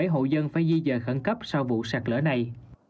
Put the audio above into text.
hai mươi bảy hộ dân phải di dời khẩn cấp sau vụ sạt lỡ này